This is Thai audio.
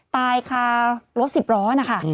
ตายคารถสิบล้อนะคะ